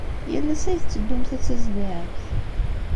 Yal ass ay tetteddumt ad tazzlemt?